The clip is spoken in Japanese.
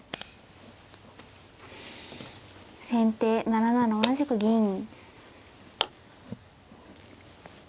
先手７七同じく銀。